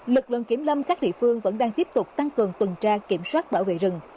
lực lượng kiểm lâm các địa phương vẫn đang tiếp tục tăng cường tuần tra kiểm soát bảo vệ rừng